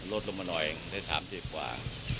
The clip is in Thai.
ลดลงมาหน่อยได้๓๐กว่า